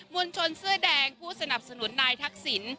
วลชนเสื้อแดงผู้สนับสนุนนายทักษิณ